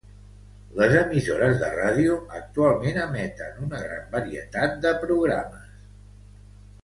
Les emissores de ràdio actualment emeten una gran varietat de programes a Krio.